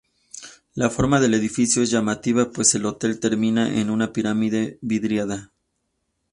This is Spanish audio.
La forma del edificio es llamativa, pues el hotel termina en una pirámide vidriada.